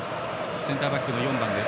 センターバックの４番です。